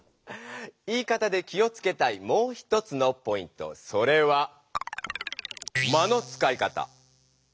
言い方で気をつけたいもう一つのポイントそれは「間のつかい方」。